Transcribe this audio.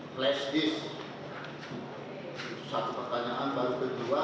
flash disk satu pertanyaan baru kedua